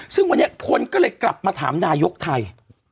ซึ่งวันนี้คนก็เลยกลับมาถามนายกไทย